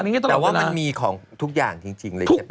แต่ว่ามันมีของทุกอย่างจริงเลยใช่ป